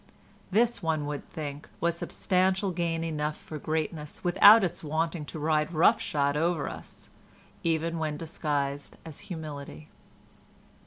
This, one would think, was substantial gain enough for greatness without its wanting to ride rough shod over us, even when disguised as humility.